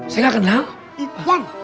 saya gak kenal jan